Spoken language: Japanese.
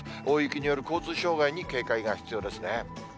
大雪による交通障害に警戒が必要ですね。